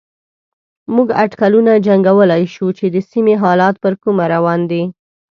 موږ اټکلونه جنګولای شو چې د سيمې حالات پر کومه روان دي.